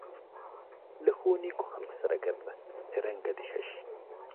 له ښو نېکو خلکو سره ګرځه چې رنګه دې ښه شي.